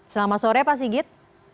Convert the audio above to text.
selamat sore pak sigit